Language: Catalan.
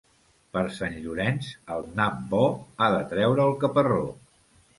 Per Sant Llorenç el nap bo ha de treure el caparró.